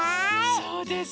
そうです。